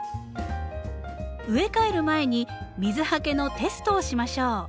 植え替える前に水はけのテストをしましょう。